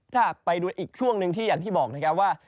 ถ้าไปดูอีกช่วงหนึ่งที่อย่างที่บอกนะครับว่า